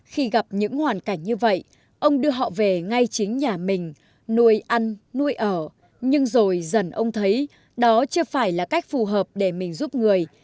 khi gặp những hoàn cảnh như vậy ông đưa họ về ngay chính nhà mình nuôi ăn nuôi ở nhưng rồi dần ông thấy đó chưa phải là cách phù hợp để mình giúp người